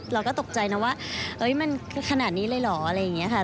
เราก็ตกใจนะว่ามันขนาดนี้เลยเหรออะไรอย่างนี้ค่ะ